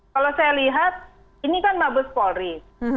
kalau saya lihat ini kan mabes polri